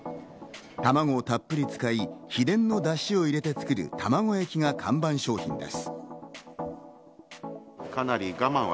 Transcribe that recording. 卵をたっぷり使い、秘伝のだしを入れて作る、玉子焼が看板商品です。